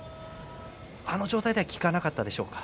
あの状態では効かなかったですか。